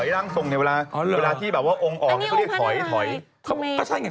ร่างส่งในเวลาที่แบบว่าที่องค์ออก